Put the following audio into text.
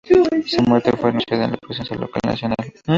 Su muerte fue anunciada en la prensa local y nacional.